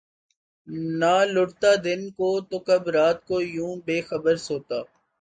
نہ لٹتا دن کو‘ تو کب رات کو یوں بے خبر سوتا!